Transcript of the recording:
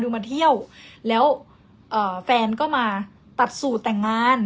มาเที่ยวแล้วแฟนก็มาตัดสูตรแต่งงาน